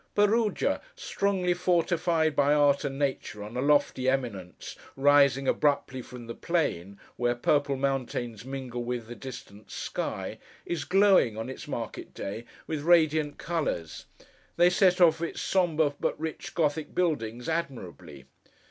Perugia, strongly fortified by art and nature, on a lofty eminence, rising abruptly from the plain where purple mountains mingle with the distant sky, is glowing, on its market day, with radiant colours. They set off its sombre but rich Gothic buildings admirably.